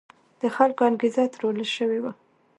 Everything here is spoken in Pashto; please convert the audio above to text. د خلکو انګېزه تروړل شوې وه.